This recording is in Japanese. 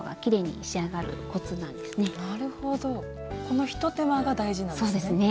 この一手間が大事なんですね。